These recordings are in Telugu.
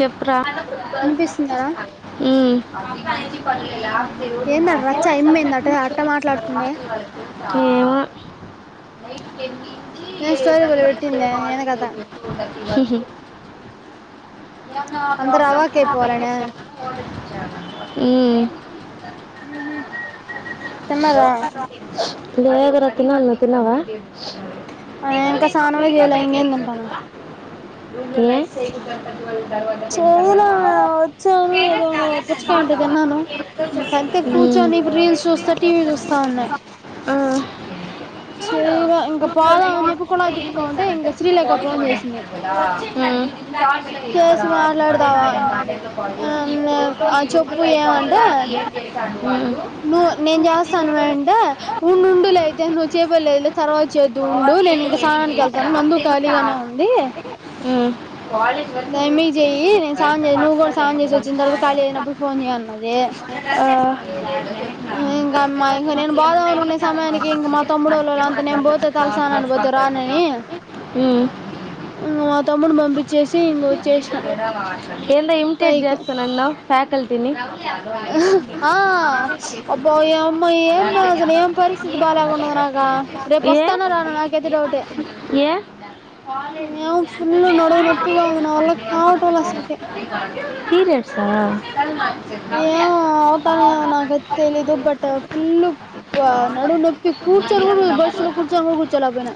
చెప్ రా వినిపిస్తుందరా ఉమ్ ఎన్ దాడ్ రచ్చ యమ్ మెంద్ అటగా అట్ట మాట్లాడ్ తుంది యే ఏం స్టోరీ బలే పెట్టిందే ఏంది కథ వో [unintelligible] అందరు అవాక్ అయిపోవాలనా ఉహ్ ఉమ్ ఉహు తిన్నారా లేదురా తినాన్ ల తిన్నవ ఆ ఇంకా స్నానమే చేయలే ఇంకేం తింటాను ఉన్నే చేయలే వచ్చాను ఏదో పుచ్చకాయ ఉంటే తిన్నాను ఇంకంతే ఉమ్ కూర్చొని ఇప్పుడు రీల్స్ చూస్తా టీవీ చూస్తా ఉన్నా ఆ చూడు చేయలే ఇంకా పోదాం అని చెప్పి కుళాయి తిప్పుకోంటే ఇంకా శ్రీలేఖ ఫోన్ చేసింది ఉహ్మ్మ్ చేసి మాట్లాడతావ అన్నది ఆ మేమ్ ఆ చెప్పు ఏవంటే నువ్ నేన్ జేస్తాన్ వేన్ టే ఉండుండులయితే నువ్ చెయ్ బెల్ లెయ్ లే తర్ వ చేద్దు ఉండు నేనింక సానాన్ కెల్ తాను నందు ఖాళీగానే ఉందీ ఉమ్ క్వాల్ దామీ జేయి నేన్ సాన్ జెయ్ నువ్ గూడ సాన్ జేసోచ్చిన్ దరవద ఖాళీ ఐనప్పుడు ఫోన్ జేయ్ అన్నది ఆ ఆ ఈ ఇంగ మైఇంగ నేన్ బోదమ్ అనుకునే సమయానికి ఇంగ మా తొమ్ముడోలోల్ ళ్ళంతా నేన్ బోతే తల్ సానాన్ బో ఒతే రాన్ అనీ హ్మ్ ఉంగ్ మా తమ్ముడ్ను బంబిశేస్ ఏందో ఇమ్ టెట్ పైకి జేస్తనన్నవ్ ఫ్యాకల్ టిని ఆ అబ్బా ఓయమ్మ అగా ఏ రేపోస్తానో రానో నాకైతే డౌటే ఏ ఏవ్ ఫుల్లు నడువ్ నొప్పిగా ఉంద్ నా వల్ల కావటలే అసల్ కే పీర్యడ్స్ ఆ పోతానేమో నాకైతె తెలీదు బట్ ఫుల్లు ప్ఆ నడుము నొప్పి కూర్చొన్ గూడు బస్సు ట్లొ కూర్చోన్ గూడ్ గుచ్చోల్యాక్ పొయ్న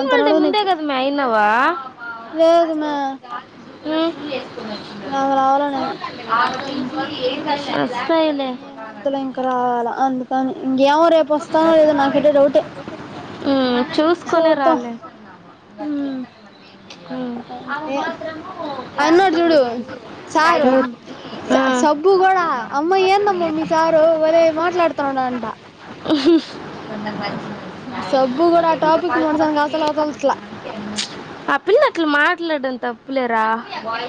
అంత డే నడుమ్ ముందే నెప్పి కదా మే లేద్ మ్యా. ఊమ్ నాకు రావాలా నేను [unintelligible] ఏముంతులె ఇంక రావాలా అందుకని ఇంగేమో రేపోస్తానో లేదో నాకైటె డౌటె. ఊమ్. చూద్దాం ఊ ఉమ్ అంతె అయినుంనాడు జూడు సారు ఉహ్ స సబ్బు గుడ అమ్మ ఏందమ్మ మిత్ సారు ఒలేయ్ మాట్లాడుతున్నడ్ అంట చ్ సబ్బు కూడా ఆ టాపిక్ మనసానికి అసలు వదలట్లా ఆ పిల్ల అట్ల మాట్ ట్లడం తప్పులెరా వాయ్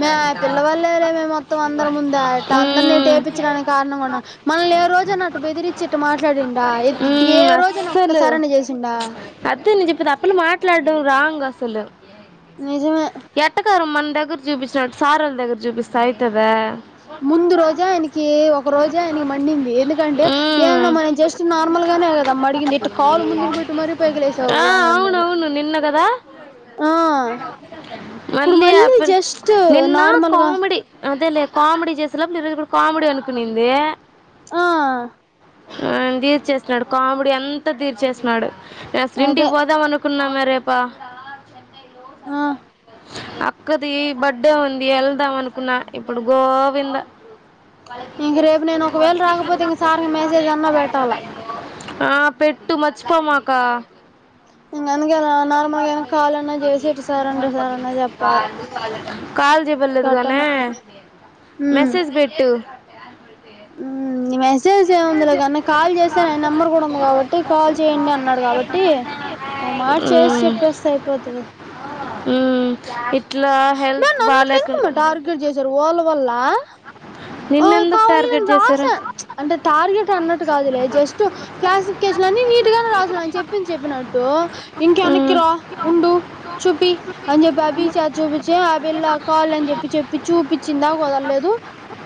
మే ఆ పిల్లవళ్లే లే మే మొత్తం అందర ముందా ఇట్ట అందర్నీ ఉమ్ ఇటేపిచ్చడానికి కార్ణమున. మనల్నే రోజైనా అట్ట బెదిరిచ్చిట్ట మాట్లాడిండా ఎద్ ఏ ఉమ్ రోజైన ఒక్కసారన్న జేసిండా. అద్దన్ జెప్పిద్ ఆ పిల్ల మాట్లాడ్డం రాంగ్ అసలు నిజమే ఎట్టకారం మన్ దగ్గర్ జూపిచ్చినట్టు సారోళ్ దగ్గర జూపిస్తె అయ్తదా. ముందు రోజే ఆయ్నికి ఒక రోజే ఆయ్నికి మండింది ఎందుకంటె ఉమ్ ఏందొ మనం జస్ట్ నార్మల్గ గనె గదమ్మ అడిగింది ఇట్ట కాలు ముందుకు బెట్టి మరీ పైకి లేసావు ఆ అనన్నాడు. అవునవును నిన్న కదా ఆ. ఇప్పుడు మళ్ళీ యాప్పన్ జస్ట్ నిన్నా నార్మల్గా కామిడి అదేలె కామెడి జేసేలోప్ [unintelligible] కామ్డీ అనుకొనింది. ఆ. ఆయ్న్ దీర్చేస్నాడు కామ్డీ అంతా తీర్చేస్నాడు నే అదే అస్లింటిక్ బోదామనుకున్నా మె రేప. [unintelligible] [inaudible] ఆ. అక్కదీ బడ్డే ఉంది ఎళ్దామనుకున్న ఇప్పుడు గోవింద. వాళ్ళకి ఇంక రేపు ఫెస్ట్లూ నేను ఒకవేళ అన్నీ రాకపోతే ఇంక సార్కి మెసేజ్ అన్నా [unintelligible] పెట్టాలా హైడ్రాబ్యాడ్ లో ఆ పెట్టు మర్చిపోమాకా. ఇంగందుకే నా నా నార్మల్గైన కాలన్నా జేసేట్ సారంట సారన్న జెప్పాల. కాల్ జెయ్బల్లేదు గానీ మెసేజ్ బెట్టు. ఊమ్. [unintelligible] మెస్సేజేముందిలె గానీ కాల్ జేస్తాలె ఆయ్నంబర్ గూడుంది గాబట్టి కాల్ చేయండి అన్నాడ్ గాబట్టి ఓ మాట్ చేస్ చెప్పేస్తె అయ్పోద్దిగ. [unintelligible] క్లాస్ ఊమ్ ఇప్ ట్లా మే హెల్త్ నన్ను ఎందుకు బాల్యాకున్ మే టార్గెట్ చేశారు వాళ్ళ వల్ల నిన్నెందుక్ టార్గెట్ రాస చేశారు చ్ అంటె టార్గెటన్నట్టు కాదులె జస్టు క్లాసిఫికేషనని నీట్ గానే రాస్న చె చెప్పింద్ చెప్పినట్టూ ఉమ్, ఇంకెనక్కిరా ఉండు చూపి అన్ జెప్పి అబీచ చూపిచ్చె ఆ పిల్ల కాల్లన్ జెప్పి చెప్పి చూపిచ్చిందాకొదల్లేదు.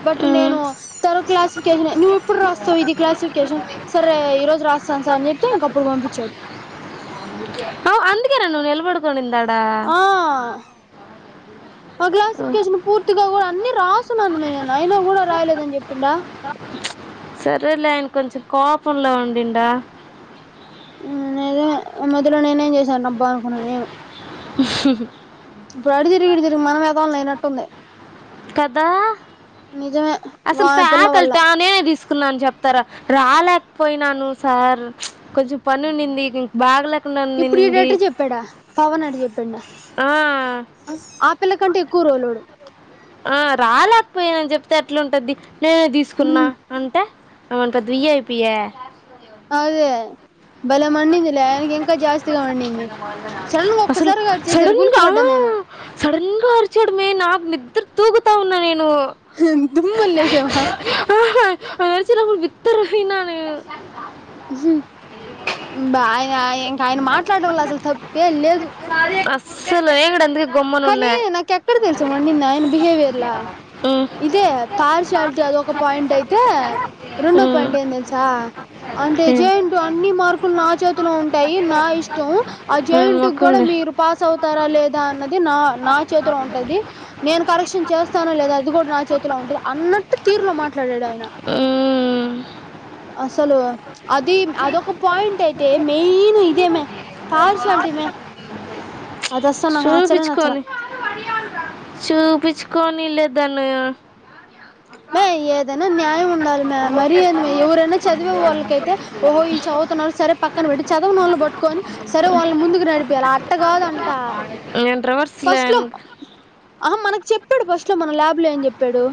బట్టు ఉమ్. నేను తను క్లాసిఫ్కేషనే నువ్వెప్పుడ్ ర్రాస్తావిది క్లాసిఫ్కేషన్ సర్రే ఈరోజ్ రాస్తాన్ సార్ అన్ జెప్తే ఇంకప్పుడు పంపిచ్చాడు. [unintelligible] అ అందుకేనా నువ్వు నిలబడుకొనింది ఆడ్ ఆ. అ క్లాసిఫ్కేషను పూర్తిగా గూడ అన్ని రాసున్నాను మే నేను అయ్నా గూడ రాయ్లేదని జెప్పిండా. సరేలే ఆయ్న కొంచం కోపంలొ ఉండిడా. ఉమ్ [unintelligible] మద్దిలొ నేనేం జేశానబ్బా అన్కున్న నేను. ఇప్పుడటు దిరిగి ఇటిదిరిగి మనమెదవల్నైనట్టుంది. కదా. వా అసల్ పిల్ల వల్ల ఫ్యాకల్టానే దీస్ కున్నాన్ చెప్తార రాల్యాక్ పొయ్నాను సార్ చ్ కొంచెం పనున్నింది బాగ్లా ఇప్పుడ్ ఈడేటా చెప్పాడ పవన్ అడ చెప్పిండ ఆ, అ ఆ పిల్ల కంటే ఎక్కు రోలోడు ఆ రాలేక్పోయనన్ చెప్తే ఎట్లుంటద్ది నేనే ధీస్కున్న ఉమ్ అంటే ఆయన పెద్ద వి ఎ పి ఆ అదే భలే మండిందిలే ఆయ్నకింక జాస్తిగ మండింది అసలు చల్నమొక్కసారి గట్ చేశారు గుల్కు పడ్డా నేను. కోర్ చూడుమె నాక్ నిద్దర్ తూగుతా ఉన్నా నేన్ ను దుమ్మున లేసామా ఆహ ఆయ్నరచే లోపు బిత్తర పొయ్నా నేను ఉమ్ బాయాయ్ ఇంకాయ్న మాట్లాడ్డంల అసల్ తప్పే లేదు. [unintelligible] కనీ ఉన్నా నాక్ ఎక్కడ తెల్సా మడింది అయన బిహేవియర్ల ఉమ్, ఇదే పార్షయాలిటీ అదోక పాయింట్ అయితే రెండో ఉమ్, పాయింట్ ఏం తెల్సా అంతే నేను- జేన్ అన్ని మార్కుల్ నా చేతిలో ఉంటాయి నా ఇష్టం ఆ నేను జాయింట్ గూడ మొక్కండి మీరు పాస్ అవుతార లేదా అన్నద్ ది నా నా చేతిలో ఉంటది నేను కరెక్షన్ చేస్తానో లేదా అది గూడ నా చేతిలో ఉంటద్ అన్నట్టు తీర్లో మాట్లాడాడు ఆయన ఉమ్, అసలు అది అదొక పాయింట్ అయితే మెయిన్ ఇదేమే పార్శాలటీమే ప్చ్ చూపిచ్కోని చూపిచ్కో కోనీ లే దన్ను మే ఏదైన న్యాయం ఉండాలి మ్యా మరి ఎవరైన చదివే వాళ్ళకైతే ఓహో ఇళ్ చవుతున్నారు సరే పక్కన పెట్టి చదవని వాళ్ళని పట్టుకొని సరే వాళ్ళ ముందుకు నడిపియాలి అట్ట కాదంట [unintelligible] ఫస్ట్ లో లైన్ ఆహా మనక్ చెప్పాడ్ ఫస్ట్ లో మన ల్యాబ్ లో ఏం చెప్పడు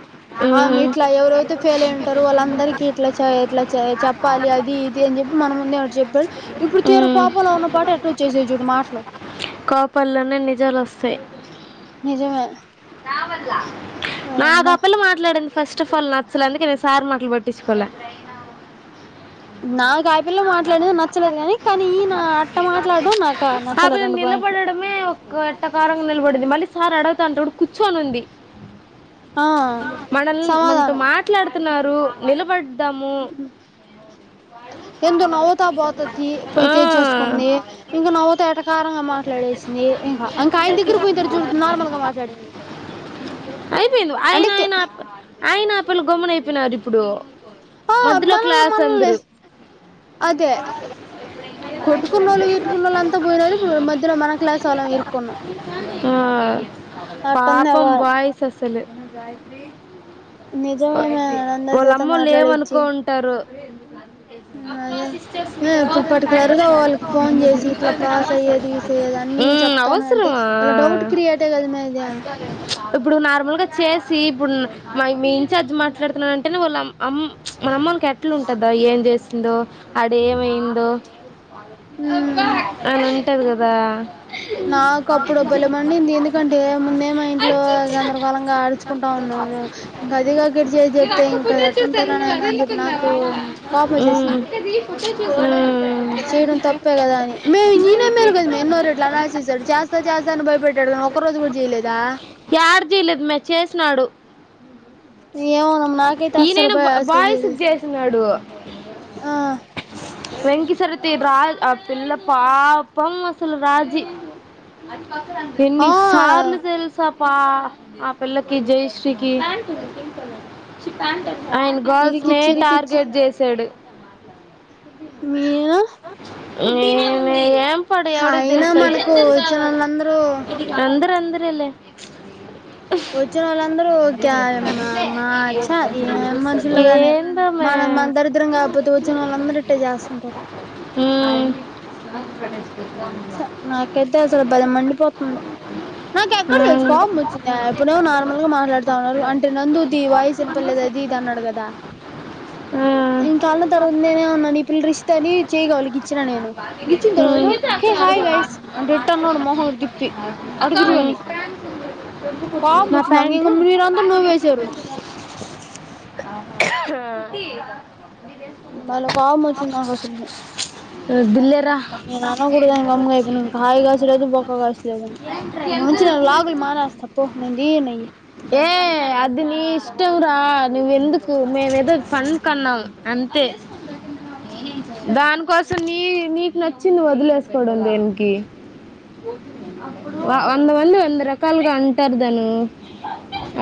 ఆమె ఉమ్, ఇట్లా ఎవరైతే ఫెయిల్ అయ్యారో వాళ్ అందరిక ఇట్లా చేయ ఎట్లా చేయ చెప్పాలి అది ఇది అన్ చెప్ ఇప్పుడ్ మన ముందే వచ్చి చెప్పే ఇప్పుడ్ తీర ఉమ్, కోపంలో ఉన్న పాటు ఎట్ల వచ్చేసే చూడు మాటలు కోపల్లోనే నిజాలోస్తయ్ నిజమే నాక్ ఓయమ్మ అ పిల్ల మాట్లాడింద్ ఫస్ట్ అఫ్ ఆల్ నచ్చలే అందుకే నేన్ సార్ మాటల్ పట్టిచుకోలే నాక్ అ పిల్ల మాట్లాడది నచ్చలేద్ గాని కానీ ఈన అట్ట మాట్లాడం నాక్ ఆ పిల్ల నిలబడడమే ఒక్క ప్రకారం నిలబడింది మళ్ళీ సార్ అడగతంటే కూర్చొనుంది ఆ మనల్ మనతో సమాధానం మాట్లాడుతున్నారు నిలబడ్దాము ఎందో నవ్వుతా పోతది ఆ పోయితే చేసుకుంది ఇంకా నవ్వుతా ఎటాకారంగా మాట్లాడేసింది ఇంక ఆయన దగ్గరికి పోయి తరిచ నార్మల్గ మాట్లాడింది అయిపోయింది ఆయన అంటే ఆయన ఆయన ఆ పిల్ గొమ్మునైపోయినార్ ఇప్పుడు ఆ మధ్యలో మనల్ని క్లాస్ మనల్ని అందరు అదే కొట్టుకున్నోళ్ళు తిట్టుకునోళ్ళు అంత పోయినది ఇప్పుడు మధ్యలో మన క్లాస్ వాళ్ళం ఇరుకున్నాం ఆ పాపం బయిస్ అసలు నిజమేమే అందరి వాల్ చేత అమ్మోళ్ళు మాట్లాడిచ్చి ఏమనుకో ఉంటారు అదే ఇప్పుడు పర్టికులర్ గా వాళ్ళకి ఫోన్ చేసి ఇట్లా పాస్ అయ్యేది గీస్ అయ్యేది [unintelligible] అన్ని హ్మ్ చెప్తాను అంటే అవసరమా వాళ్ళ డౌట్ క్రియేటే కదా మే ఇది ప్చ్ ఇప్పుడు నార్మల్గ చేస్ సి ఇప్పుడ్ మ మీ ఇన్ఛార్జ్ మాట్లాడుతున్నా అంటేనే వాల్ అమ్ ఆమ్ ప్చ్ మనమ్మోళ్కి ఎట్ల ఉంటదా ఏ చేసిందో అడ ఏమయిందో మ్మ్ అన్ ఉంటది గదా నాకు అప్పుడు భలే మండింది ఎందుకంటే ముందే మా ఇంట్లో [unintelligible] గందరగోళంగా ఆడించుకుంటా ఉన్నాము ఇంకా అదిగాక ఇటు చేసి నేన్ చెప్తే అక్క ఇంకా పుట్ట చూసాను ఎట్టుంటదిరా నువ్ అద్ నాయన అని చెప్పి అనుకున్నావా నాకు కోపం ఊమ్ చ్ ఊమ్. [unintelligible] చెయ్డం తప్పే గదా అని మే నేనే మేల్ గద మే ఎన్నో రెట్లు అనా [unintelligible] చేస్తా చేస్తా అని భయపెట్టాడు. లో ఒక్క రోజ్గూడ్ జెయ్లేదా. జెయ్లేద్ మె చేస్నాడు. ఏమోనమ్మ నాకైతే అస్సలు ఈనైనా బ భయ అస్సలు బాయ్క్స్ చేయలేదు జేస్నాడు. ఆ వెంకి సరూతి బ్రా అపిల్లా పాపం అసలు రాజి ఎన్ని ఆ సార్లు తెల్సా పా ఆ పిల్లకి జయశ్రీకి ఆయన గర్ల్స్ నే ఇరికిచ్చి ఇరికిచ్చి టార్గెట్ జెసాడు మీరు ఏమే ఏంపాడు ఎవడిక్ అయినా తెల్సవి మనకు వచ్చినోళ్ళందరూ అందరన్ [unintelligible] రేలె వొచ్చినోళ్ళందరూ క్యాయ్ మా మ ఛ ఏం మనుషుల్లో గానీ ఏందోమే మనం మన్ దరిద్రం గాక్పోతె వచ్చినోళ్ళందర ఇట్టె జ్యాస్తుంటారు. ఊమ్. ఛ నాకైతే నాకెక్కడ్ ఉమ్ దెల్సు ఉమ్ కోప్మొచ్చిందా ఇప్పుడు నార్మల్గ మాట్లాడుతా ఉన్నోల్లు అంటె నందుదీ వాయ్సినపల్లేదు అదీద్ తెన్నడు గదా ఇంకాన్న తరువాత్ నేనేమన్నాన్ ఈ పిల్ల రిష్త అనీ చేయ్గవల్ గిచ్చినా నేను గిచ్చిన్ తర్వాత హే హాయ్ గైస్ అంటే ఇట్ట అన్నాడు మొహం తిప్పి అటు తిరుగని ఊమ్. కోపం న వచ్చింది నాకు ప్యాంటు ఇంక మీరంతా నవ్వేశారు ఆ బలే కోప్మొచ్చింది నాకసల్కి. వద్దులేరా నేననగూడ్దని గమ్ముగైపోయినింక హాయిగా సిరంజి [unintelligible] మంచి నా లాగుల్ మానేస్త పొ నేన్ దియ్యను. ఏ అద్ది నీ ఇష్టం రా నువ్వెందుకు మేమేదొ ఫన్ కన్నాం అంతే. దాన్కోసం నీ నీక్ నచ్చి నువ్వొదిలేస్కోవడం దేన్కి. వ వందమంది వంద రకాల్గా అంటార్ ధనూ.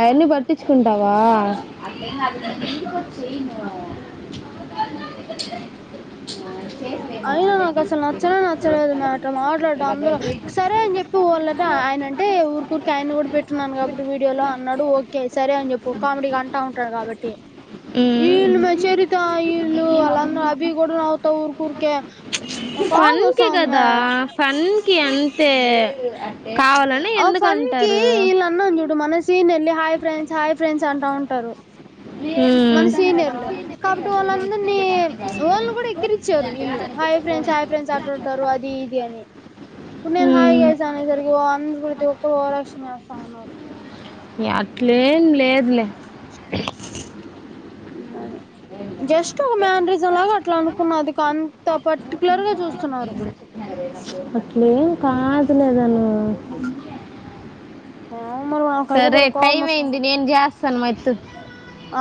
అయన్ని పట్టించుకుంటావా అట్లే కాదా నేనీడికొచ్చి చెయ్ను. చ్ ఐనా నాకసలు నచ్చనే నచ్చలేదు మే అట్ట మాట్లాడ్డం అందరూ సరే అన్ జెప్పి వోళ్ళని ఆయ్ ఆయనంటే ఊర్కూర్కే ఆయన్ని గూడ్ పెట్టున్నాను కాబట్టి వీడియో లో అన్నాడు ఓకే సరే అన్ జెప్పు కామ్డీగ అంటా ఉంటాడ్ కాబట్టి ఈళ్ళు మె చెరితా ఈళ్ళు వాల్లందర్ అభి గూడ్ నవ్ చ్ ఫన్కి వస్తా ఉంది గదా మే ఫన్కి అంతే. కావాలని ఆ ఎందుకు ఫన్కీ అంటారు ఈళ్ళన్నాం జూడు మన సీనియర్లని హాయ్ ఫ్రెండ్స్ హాయ్ ఫ్రెండ్స్ అంటా ఉ టరు. మన మ్మ్. సీనియర్లు కాబట్టి వాళ్ళందర్ని చ్ వోల్ని గూడెక్కిరిచ్చారు వీళ్ళు హాయ్ ఫ్రె చాయ్ ఫ్రెండ్స్ అట్లుంటారు అదీ ఇదీ అని. ఇప్పుడ్ నేన్ హాయ్ మ్మ్. గైస్ అనేసర్కి వా అంద్రు ప్రతి ఒక్కరు ఓవ్రాక్షన్ జేస్తా ఉన్నారు. యా అట్లేం లేద్లె. ఉమ్మని. జస్టొగ మ్యాన్రిజమ్ లాగట్లనుకున్న అదికంత పర్టికులర్గ జూస్తున్నారు. అట్లేం కాద్లె దను. ఏమో మరి నాకైతే సరే భలే కోపం టైమైంది నేన్ జేస్తాన్ మయ్తు అ.